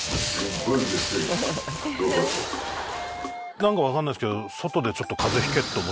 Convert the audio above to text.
何か分かんないですけど。